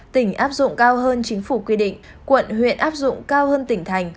tỉnh áp dụng cao hơn chính phủ quy định quận huyện áp dụng cao hơn tỉnh thành